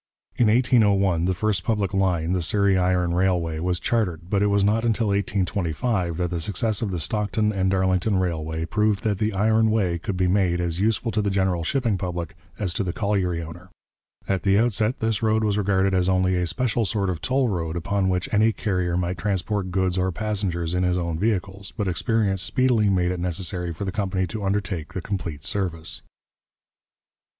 In 1801 the first public line, the Surrey Iron Railway, was chartered, but it was not until 1825 that the success of the Stockton and Darlington Railway proved that the iron way could be made as useful to the general shipping public as to the colliery owner. At the outset this road was regarded as only a special sort of toll road upon which any carrier might transport goods or passengers in his own vehicles, but experience speedily made it necessary for the company to undertake the complete service.